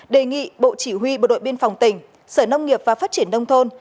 đề nghị bộ chỉ huy bộ đội biên phòng tỉnh sở nông nghiệp và phát triển đông thôn